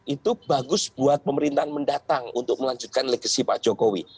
itu bagus buat pemerintahan mendatang untuk melanjutkan legasi pak jokowi